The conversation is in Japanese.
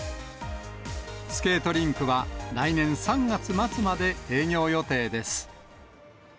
スケートリンクは来年３月末まで営業予定です。